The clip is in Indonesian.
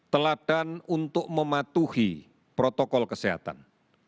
teladan untuk mematuhi protokol kesehatan